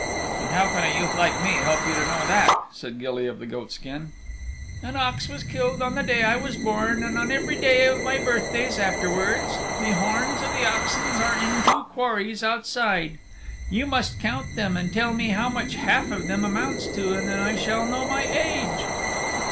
"And how can a youth like me help you to know that?" said Gilly of the Goatskin. "An ox was killed on the day I was born and on every one of my birthdays afterwards. The horns of the oxen are in two quarries outside. You must count them and tell me how much half of them amounts to and then I shall know my age."